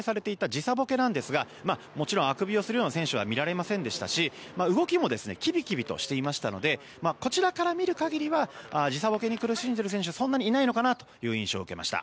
時差ぼけなんですがもちろんあくびをするような選手も見られませんでしたし動きもキビキビとしていましたのでこちらから見る限りは時差ぼけに苦しんでいる選手はそんなにいないのかなという印象を受けました。